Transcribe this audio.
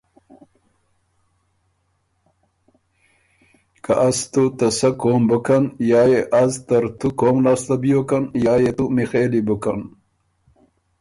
”که از تُو ته سۀ قوم بُکن، یا يې از ترتُو قوم لاسته بیوکن یا يې تُو میخېلی بُکن“